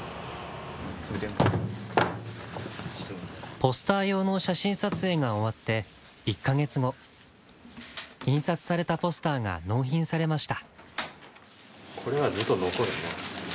ポスター用の写真撮影が終わって１カ月後印刷されたポスターが納品されました。